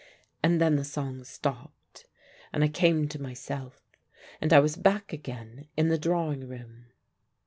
And then the song stopped, and I came to myself, and I was back again in the drawing room.